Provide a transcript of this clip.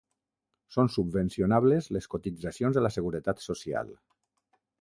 Són subvencionables les cotitzacions a la Seguretat Social.